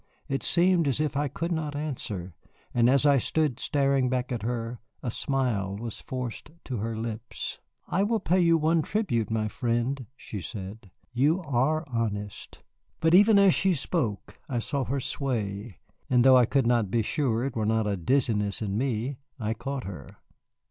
It seemed as if I could not answer, and as I stood staring back at her a smile was forced to her lips. "I will pay you one tribute, my friend," she said; "you are honest." But even as she spoke I saw her sway, and though I could not be sure it were not a dizziness in me, I caught her.